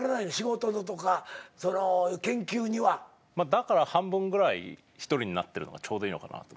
だから半分ぐらい一人になってるのがちょうどいいのかなと思って。